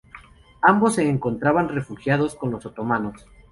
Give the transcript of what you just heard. Ambos se encontraban refugiados con los otomanos.